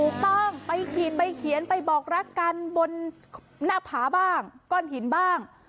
ถูกต้องไปขีดไปเขียนไปบอกรักกันบนหน้าผาบ้างก้อนหินบ้าง